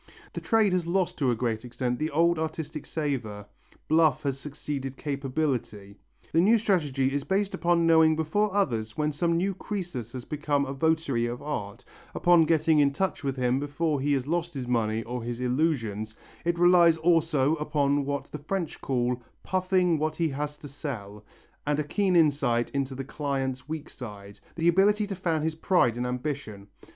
The trade has lost to a great extent the old artistic savour, bluff has succeeded capability. The new strategy is based upon knowing before others when some new Crœsus has become a votary of art, upon getting in touch with him before he has lost his money or his illusions; it relies also upon what the French call "puffing what he has to sell," and a keen insight into the client's weak side, the ability to fan his pride and ambition.